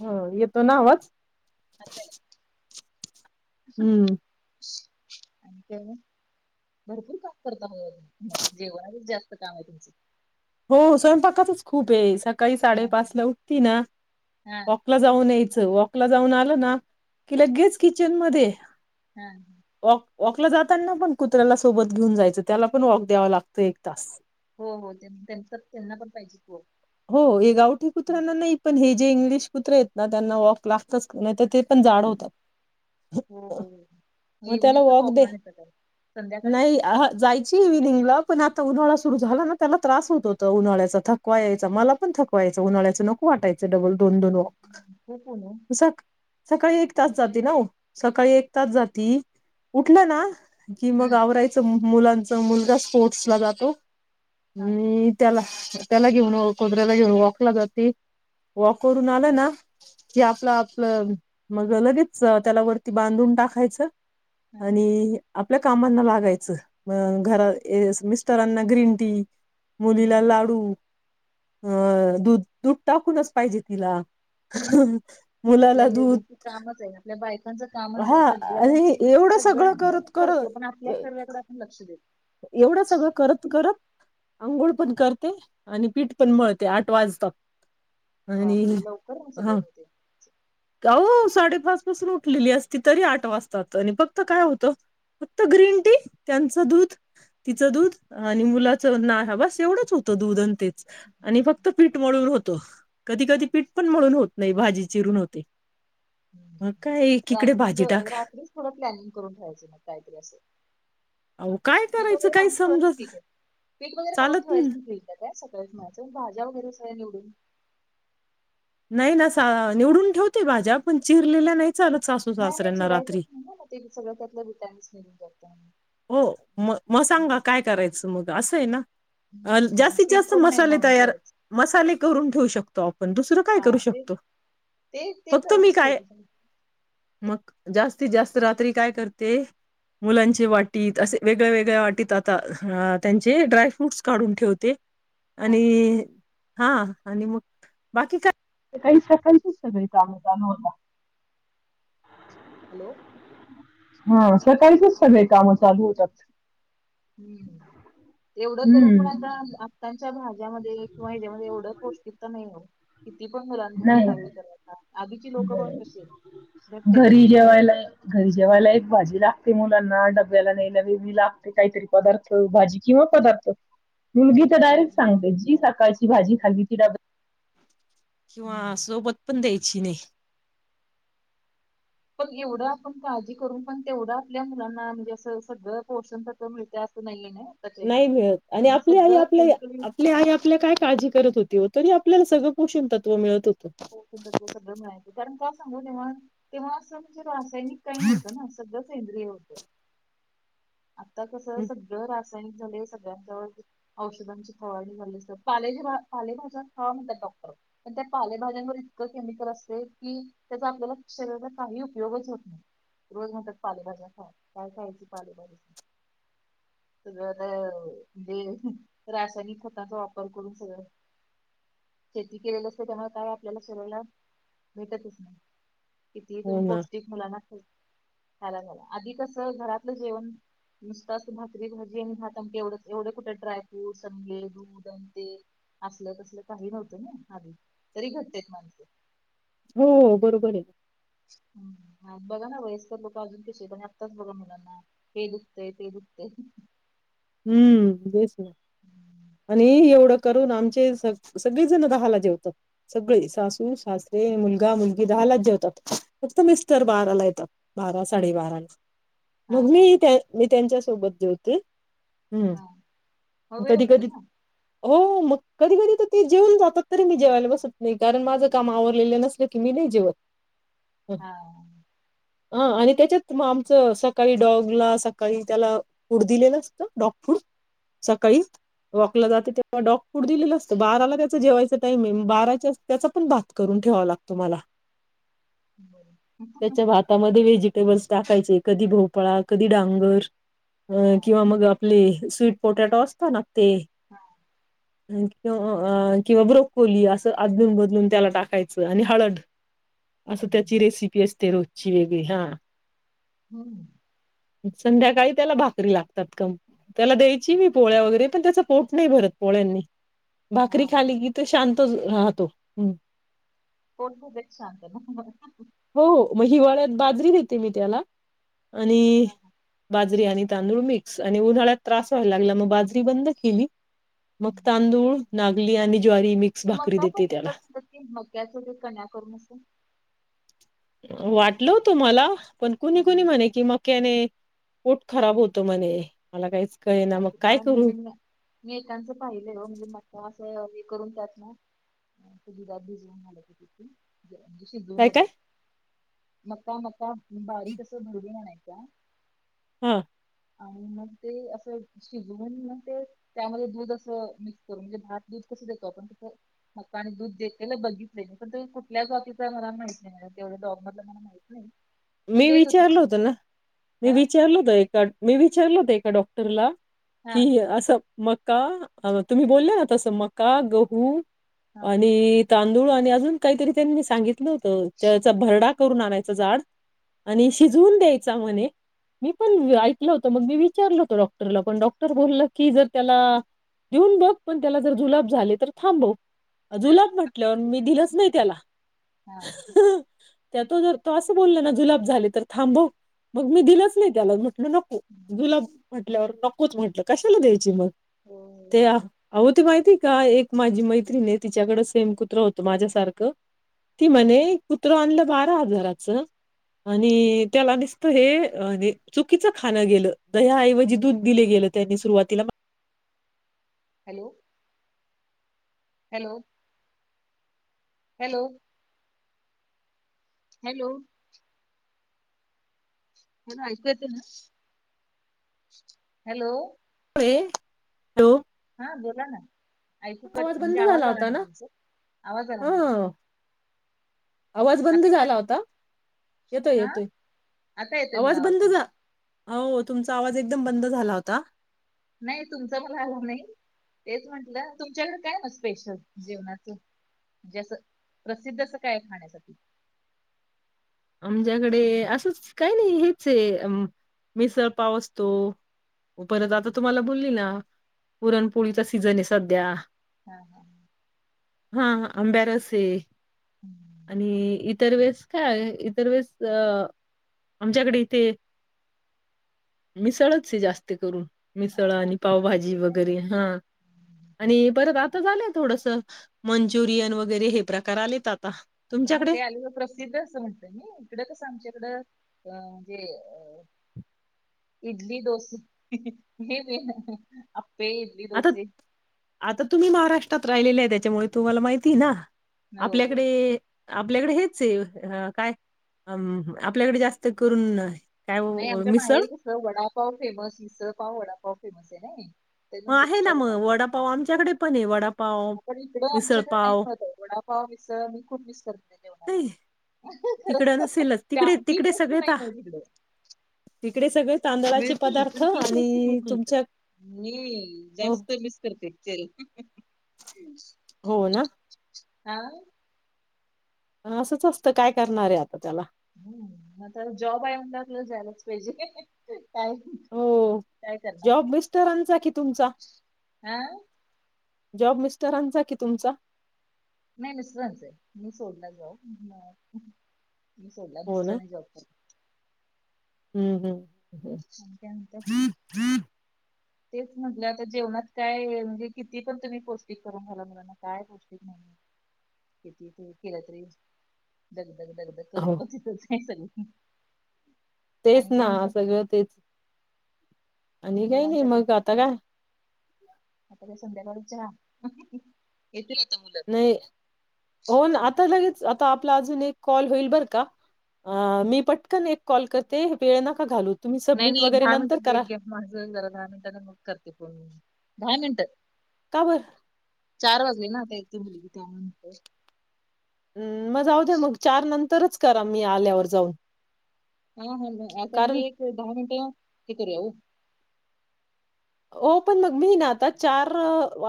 होय तो नावच, आता हम् हम्म आणि भरपूर काम करता म जेवणाच जास्त काम आहे. तुमच, हो स्वयंपाकातच खूप आहे सका काही साडेपाचला उठती ना हा वॉकला जाऊन ये वॉकला जाऊन आलं ना कि लगेच किचन मध्ये, हम्म वॉक वॉकला जाताना पण कुत्र्याला सोबत घेऊन जायचं. त्याला पण वॉक द्यावं लागतं. एक तास हो हो त्यांच त्यांना पण पाहिजे, की ओ हो हे गावटी कुत्र्यांना नाही, पण हे जे इंग्लिश कुत्रे आहे तेना त्यांना वॉक लागतच का नाही तर ते पण जाड होतात, हो मग इव्हनिंग त्याला पण वॉक दे वॉकला नेता काय संध्याकाळी नाही जायची इव्हनिंगला पण आता उन्हाळा सुरू झाला, ना त्याला त्रास होत होता. उन्हाळ्याचा थकवा मला पण थकवा यायचं उन्हाळयाच नको वाटायचं डबल दोन दोन वाॅक खूप ऊन ओ ज सकाळी एक तास जाती ना सकाळी एक तास जाती उठलं ना कि मग आवरायचं. मुलांचा मुलगा स्पोर्टस ला जातो हा मी त्याला त्याला घेऊन कुत्र्याला घेऊन वॉकला जाती. वॉक करून आला ना की आपलं आपलं मग लगेच त्याला वरती बांधून टाकायचं हा आणि आप आपल्या कामांना लागायचं म घर मिस्टरांना ग्रीन टी मुलीला हम्म. लाडू, अं दूध दूध टाकूनच पाहिजे तिला आपल्या मुलाला दूध लेडीजची कामच आहे. आपल्या आपल्या आपल्या लेडीज कामच आहे बायकांचं कामच हा आहे. आणि सगळ्यांची एवढं सगळं सगळ्यांचण करत आपण कर करते पण आपल्या शरिराकडं आपण लक्ष देत नाही एवढं सगळं करत करत आंघोळ पण करते आणि पीठ पण मळते आठ वाजतात नाही. आणि बापरे लवकर ना सगळं ह होते. साडे पाच पासून उठलेली असते तरी आठ वाजतात आणि फक्त काय होतं फक्त ग्रीन टी त्यांचं दूध तिचं दूध आणि मुलाच ना बस एवढंच होतं दूध अ तेच आणि फक्त पीठमळून होतं कधी कधी पीठ पण मळून होत नाही भाजी चिरून होते मग काय एकीकडे रात्री भाजी टाक रात्रीच थोडं प्लॅनिंग करून ठेयचं मग काहीतरी असं अहो काय पीठ करायचं वगैरे काही मळून ठेवायचं समजत ठीक आहे पीठ वगैरे मळून चालत ठेवायच नाही फ्रिज ला काय सकाळीच मळायचं भाज्या वगैरे सगळ्या निवडून नाही ना निवडून ठेवते भाज्या पण चिरलेल्या नाही चालत सासू नाही, नाही सासऱ्यांना रात्री. चिरायचं ना ते सग त्यातलं विटॅमिनस निघून जातय ह हो म मग सांगा काय करायचं मग अस आहे ना हम्म, जास्तीत पीठ जास्त पण नाही मसाले मळून तयार ठेवायचं मसाले करून ठेऊू शक त पण दुसरं काय हा करू ते शकतो ते ते फक्त मी करूनच काय ठेवते सगळं. मग जास्तीत जास्त रात्री काय करते मुलांची वाट असे वेगळ्या वेगळ्या वाटीत आता त्यांचे ड्रायफ्रूटस काढून ठेवते हा आणि हा आणि मग बाकी काय काही सगळी काम चालू होतात हॅलो हा सकाळीचेच सगळे काम चालू होतात हम्म एवढं करून पण हम्म. आता आत्ताांच्या भाज्या भाज्यामध्ये किंवा हच्यामध्ये एवढं पौष्टिकता नाही ओ किती पण मुलां ला तुम्ही नाही काही करता आधीची लोक बघा बरं. कशी आहे घट्ट आहे घरी अजून जेवायला घरी जेवायला एक भाजी लागते मुलांना डब्याला नेयला वेगळी लागते काहीतरी पदार्थ भाजी किंवा पदार्थ. मुलगी तर हो. डायरेक्ट सांगते जी सकाळची. भाजी खाल्ली ती डब्यात. किंवा हम्म. सोबत पण द्या यची नई पण एवढं आपण काळजी करून पण तेवढं आपल्या मुलांना म्हणजे असं सगळं पोर्शन तस मिळतय असं नाहीय नाही नाही मिळत आणि आपली आई आपल्या केमिकल आपली आई आपल्या काय काळजी करत होती तरी आपल्याला सगळं पोषण तत्व मिळत होत पोषण तत्त्व सगळं मिळायचं कारण का सांगू तेव्हा तेव्हा अस म्हणजे रा सायनिक काही न्हवतं ना सगळं सेंद्रिय होतं [inaudible] आता कस हं, सगळं रासा यनिक झालय सगळ्यांच्या औषधांची फवारणी झाली पालेचे पालेभाज्या खावा म्हणतात डॉक्टर पण त्या पालेभाज्यांवर इतकं केमिकल असतय कि त्याचा आपल्याला शरीराला काहीही उपयोगच होत नाही. रोज म्हणतात, पालेभाज्या खावा काय खायची पालेभाजी. सगळं आता म्हणजे रासायनिक खताचा वापर करून सगळं शेती केलेलं असते, त्यामुळे काय आपल्याला शरीराला भेटतच नाही. कितीही हो तुम्ही ना पौष्टिक मुलांना झाला झाला, आधी कस घरातलं जेवण नुसतं असं भाकरी भाजी आणि भात आमटी एवढंच एवढे कुठे ड्राय फ्रूटस अन हे, दूध अन ते, असलं तसल काही नव्हतं, नाही आधी तरी घट्ट आहेत माणसं. हो हो बरोबर आहे. हम्.. बघा ना वयस्कर लोकं अजून कशी आहेत. आत्ताच बघा मुलांना हे दुखतंय, ते दुखतंय. हम्म.. बेस आणि एवढं करून आमचे स.. सगळीजणं दहाला जेवतात, सगळे सासू सासरे मुलगा मुलगी दहालाच जेवतात, फक्त मिस्टर बाराला येतात बारा साडेबाराला. हा मग, हा मीही मी त्यांच्या सोबत जेवत क [inaudible] हा मग ह्म्म्म वेळ कधी होतो कधी ना हो मग कधी कधी तर ते जेवून जातात, तरी मी जेवायला बसत नाही कारण माझं काम आवरलेलं नसलं की मी नाही जेवत. हा. आ -आणि त्याच्यात आमचं सकाळी डॉगला सकाळी त्याला फूड दिलेस डॉग फूड सकाळी वॉकला जाते, तेव्हा डॉग फूड दिलेलं असतं, बाराला त्याच जेवायचा टाईमिंग बाराच्या त्याचा पण भात करून ठेवा लागतो मला. बर त्याच्या भातामध्ये वेज टेबल्स टाकायचे, कधी भोपळा, कधी डांगर. हा अ-किंवा हा मग ते, स्वीट पोटॅटो असत ना ते, हम. ं किंवा ब्रोकोली असं अदलून बदलून त्याला टाकायचं आणि हळद. असं त्याची हम्म रेसिपी असते रोज. शिवेगरी हा [inaudible] हम्म. संध्याकाळी त्याला भाकरी लागतात कम. त्याला द्यायची मी पोळ्या वगैरे पण त्याच पोट नाही, भरत पोळ्यांनी. हा भाकरी हा खाली की ती शांत राहतो. कोणत बच शांत [unintelligible] हो हो मग हिवाळ्यात बाजरी देते मी त्याला. आणि हा हा बाजरी आणि तांदूळ मिक्स. आणि उन्हाळ्यात त्रास व्हायला लागला, मग बाजरी बंद केली. मग हम्म. तांदूळ, ना यांनी आणि ज्वारी मिक्स भाकरी मका पण देते त्याला देतात, मकयाच पण काण्या करून अस वाटल होते मला पण कुणी कुणी हम्म म्हणे कि मक्याने पोट खराब होत म्हणे, मला काहीच कळे ना अस मग काय पण करू म्हणजे मी ऐका न च, पाहिले हो म्हणजे म्हणजे असं करून त्यात ना दुधात भिजवून झालं तिथून. म्हणजे शिजवून काय काय वगैरे, मका -मका बारीक असं भरडून आणायचे. का? हा आणि मग ते असं शिजवून मग ते त्यामध्ये दूध अस मिक्स करू म्हणजे भात दूध कसं देत आपण त मकाने दूध देतलेलं बघितच नाही पण ते कुठल्याच जातीचं मला माहित नाही तेवढ्या डॉग मधले मला माहित नाही. पण मी देत होती विचारल ते होत ना मी हा विचारल होत एका मी विचारल हो ते ऐका डॉक्टरला हा कि असं मग का तुम्ही बोलला ना तसं मका, गहू हा आणि तांदूळ आणि अजून काहीतरी त्यांनी सांगितलं होत त्याचा भरडा करून आणायचं जाड आणि शिजवून द्यायचा, म्हणे मी पण ऐकलं होत मग, मी विचारल होत डॉक्टरला, पण डॉक्टर बोललं, की जर त्याला देऊन बघ पण त्याला जर जुलाब झाले तर थांबव. जुलाब म्हटल्यावर मी दिलंच नाही त्याला हा त्या त ज त [inaudible] ते बोलें ना, जुलाब झाले तर थांबव, मग मी दिलंच नाही त्याला नको जुलाब हम्म. म्हटल्यावर नको. नकोच म्हटलं कशाला द्यायची मग? हो हो ते हो. आओ ती माहिती [inaudible] काय, एक माझी मैत्रीणी आहे, तिच्याकड सेम कुत्र होत माझ्यासारखं ती म्हणे कुत्र आणलं बारा हजारात आणि त्याला नसत हे चुकीच खाणं गेलं दह्याऐवजी दूध दिले गेलं त्यानी सुरुवातीला हॅलो हॅलो हॅलो हॅलो ह ना ऐकू येते ना? हॅलो हे, हॅलो हा बोला ना, ऐकू कट, म्हणजे बंद आवाज झाला आला होता ना नाही आवाज आला हा नाही आवाज बंद आता येतोय झाला का होता, येतोय हा येतोय आता येतोय आवाज मला बंद झा तुमचा हो तुमचा आवाज एकदम बंद झाला होता. नाही तुमच मला आला नाही तेच म्हंटलं तुमच्याकडे काय मग स्पेशल जेवणाच म्हणजे, असं प्रसिद्ध अस काय आहे खात्यासाठी. आमच्याकडे असंच काही नाही हेचय मिसळ पाव असतो. हो परत आता हम्म. तुम्हाला बोली ना, पुरणपोळीचा सीझन आहे मध्ये. हा हा हा, हा अंब्यारसय. हम्म. आणि इतर वेळेस, काय ईतर वेळेस अ आमच्याकडे इथे मिसळचय जास्ती करून. मिसळ हा आणि नाशिकला पावभाजी काय वगैरे हा हम्म. आणि परत आता झालंय थोडस. मंचुरियन वगैरे हे प्रकार आलेत आता. हा तुमच्याकडे? ते आलेलं प्रसिद्ध अस म्हणत. इकड कस आमच्याकड, अ म्हणजे अ इडली, डोसे हे मेन आप्पे इडली आता, डोसे आता तुम्ही महाराष्ट्र. ष्ट्रात राहिलेलीय ना त्याच्यामुळे तुम्हाला माहितीय ना. आपल्याकडे हो आपल्याकडे हेचय हा काय अ आपल्याकडे जास्त करून काय नाई ओ आमच्या मिसळ? माहेरी कस वडापाव, फेमस मिसळ पाव वडापाव फेमस. नाही. ते मग नंतर आहे ना मग तुमच्याकडे वडापाव आमच्याकडे पण आहे वडापाव, पण इकड आमच्याकडे नाही मिसळपाव. मिळत वडापाव मिसळ मी खूप मिस करते, जेवणाला. नाही खरं तिकडं नसेलच त्या तिकडे ती तिकडे टेस्ट सगळे नाही त तिकडे सगळं. मिळते पण तेच जास्त मिळत नई उकड तुमच्या मी हो, ज्यास्त मिस करते हो ना? आह असंच असतं काय करणारय आता त्याला हम् आता काय हो काय करणार जॉब मिस्टरांचा कि तुमचा हा जॉब मिस्टरांचा कि तुमचा नाही मिस्टरांचाय मी सोडला जॉब मी सोडला मिस्टराने जॉब कर हम्म हम्म आणि काय म्हणत्याय तेच म्हटलं आता जेवणात काय म्हणजे किती पण तुम्ही पौष्टिक करा ण झाला मुला ना काय पौष्टिक नाही किती केलं तरी जग गग करून हो. पण सग हम् तेच ना सगळं तेच आणि काही नाही मुलांसाठी मग आता का आता ते संध्याकाळीच चहा आता मुलं नाही हो ना आता लगित आता आपला अजून एक कॉल होईल बर का मी पटकन एक कॉल करते वेळ नका घालवू. तुम्ही नाही सबमिट नाही एक वगैरे दहा नंतर मिनिटं करा. ब्रेक घ्या माझं जरा दहा मिनिटाने मग करते पण दहा मिनट का बरं? चार वाजले ना आता एकदा मुल त्यामुळे हम् म जावूद्या मग चार नंतर तरच करा मी आल्यावर जाऊन. हा ह कारण आताणे एक दहा मिनटे हे करुया. हो पण मग मी ना आता चार